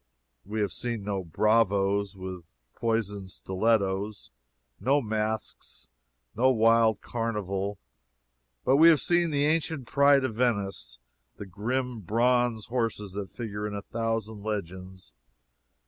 We have seen no bravoes with poisoned stilettos, no masks, no wild carnival; but we have seen the ancient pride of Venice, the grim Bronze Horses that figure in a thousand legends.